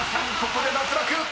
ここで脱落］